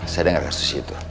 saya dengar kasus itu